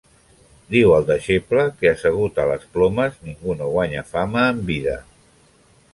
Diu al deixeble que assegut a les plomes ningú no guanya fama en vida.